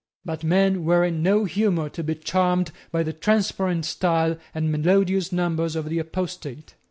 But men were in no humour to be charmed by the transparent style and melodious numbers of the apostate.